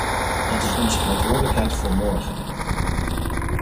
Dat is onze verantwoordelijkheid voor morgen.